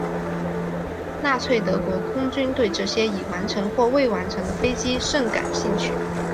纳粹德国空军对这些已完成或未完成的飞机甚感兴趣。